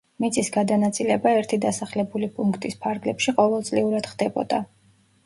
მიწის გადანაწილება ერთი დასახლებული პუნქტის ფარგლებში ყოველწლიურად ხდებოდა.